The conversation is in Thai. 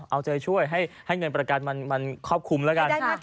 เอาใจช่วยให้เงินประกันมันครอบคลุมแล้วกัน